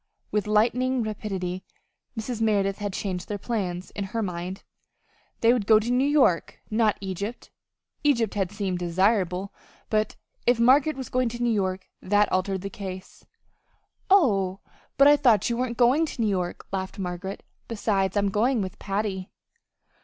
With lightning rapidity Mrs. Merideth had changed their plans in her mind. They would go to New York, not Egypt. Egypt had seemed desirable, but if Margaret was going to New York, that altered the case. "Oh, but I thought you weren't going to New York," laughed Margaret. "Besides I'm going with Patty."